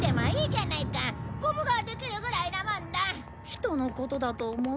人のことだと思って。